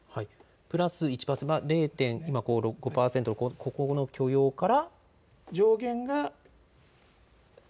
プラス１％、０．、今５％から、ここの許容から。